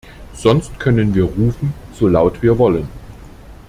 Sonst können wir rufen, so laut wir wollen.